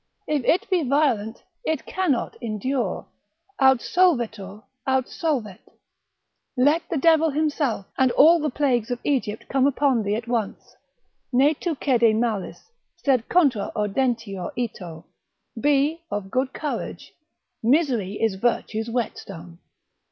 If it be violent, it cannot endure, aut solvetur, aut solvet: let the devil himself and all the plagues of Egypt come upon thee at once, Ne tu cede malis, sed contra audentior ito, be of good courage; misery is virtue's whetstone.